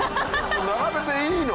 並べていいの？